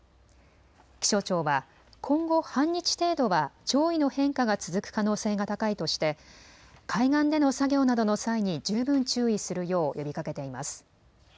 気象庁は今後、半日程度は潮位の変化が続く可能性が高いとして海岸での作業などの際に十分注意するよう呼びかけています。